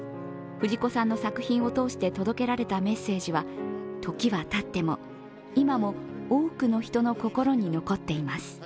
藤子さんの作品を通して届けられたメッセージは、時はたっても、今も多くの人の心に残っています。